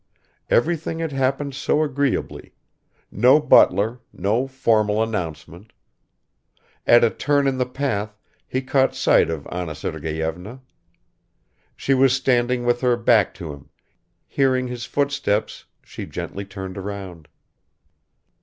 Everything had happened so agreeably; no butler, no formal announcement. At a turn in the path he caught sight of Anna Sergeyevna. She was standing with her back to him; hearing his footsteps, she gently turned round.